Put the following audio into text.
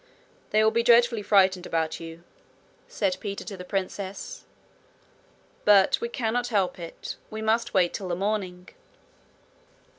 'They will be dreadfully frightened about you,' said Peter to the princess, 'but we cannot help it. We must wait till the morning.'